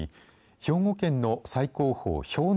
兵庫県の最高峰氷ノ